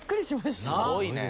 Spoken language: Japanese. すごいね。